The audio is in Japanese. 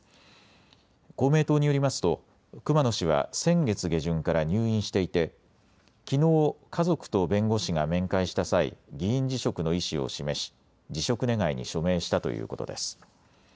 公明党によりますと熊野氏は先月下旬から入院していてきのう家族と弁護士が面会した際、議員辞職の意思を示し辞職願に署名したということです。